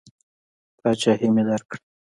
پاچهي مې درکړه.